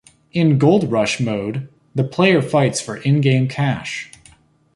In Gold Rush mode, the player fights for in-game cash.